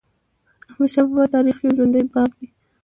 احمدشاه بابا د تاریخ یو ژوندی باب دی.